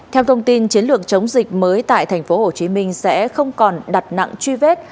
theo thông tin chiến lược chống dịch mới tại tp hcm sẽ không còn đặt nặng truy vết